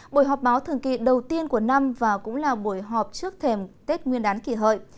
buổi họp báo thường kỳ đầu tiên của năm và cũng là buổi họp trước thềm tết nguyên đán kỷ hợi